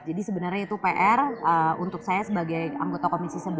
jadi sebenarnya itu pr untuk saya sebagai anggota komisi sebelas